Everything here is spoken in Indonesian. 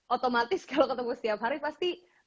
otomatis kalau ketemu setiap hari pasti